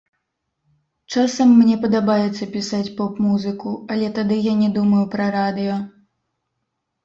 Часам мне падабаецца пісаць поп-музыку, але тады я не думаю пра радыё.